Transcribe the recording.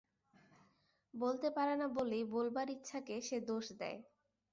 বলতে পারে না বলেই বলবার ইচ্ছাকে সে দোষ দেয়।